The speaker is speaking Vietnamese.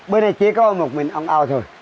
bên này chỉ có một mình ông âu thôi